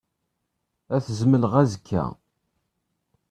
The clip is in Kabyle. Ad t-zemleɣ azekka.